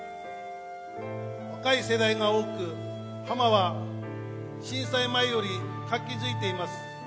若い世代が多く浜は震災前より活気づいています。